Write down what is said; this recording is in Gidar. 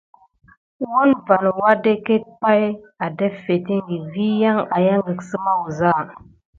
Woun van wadeket pay adaffetiŋgi vi yan ayangek səma wuza.